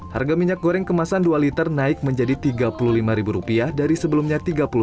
harga minyak goreng kemasan dua liter naik menjadi rp tiga puluh lima dari sebelumnya